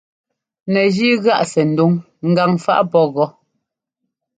Mɛgíi gáꞌ sɛndúŋ gaŋfaꞌ pɔ́ gɔ́.